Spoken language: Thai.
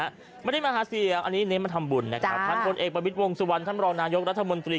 ไม่ได้มาหาเสียงอันนี้เน้นมาทำบุญนะครับท่านพลเอกประวิทย์วงสุวรรณท่านรองนายกรัฐมนตรี